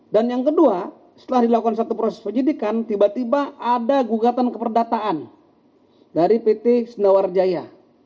dan yang kedua setelah dilakukan satu proses penyidikan tiba tiba ada gugatan keperdataan dari pt senawar jaya